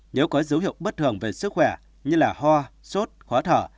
nếu có dấu hiệu bất thường về sức khỏe như hoa sốt khóa thở